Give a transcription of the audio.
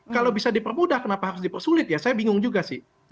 kalau bisa dipermudah kenapa harus dipersulit ya saya bingung juga sih